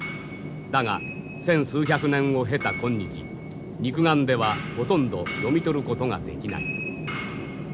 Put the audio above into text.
だが千数百年を経た今日肉眼ではほとんど読み取ることができない。